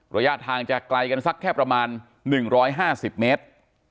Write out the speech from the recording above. ระยะทางจะไกลกันสักแค่ประมาณ๑๕๐เมตร